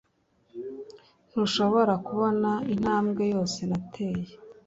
Ntushobora kubona Intambwe yose nateye